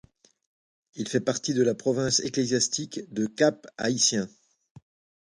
Il fait partie de la province ecclésiastique de Cap-Haïtien.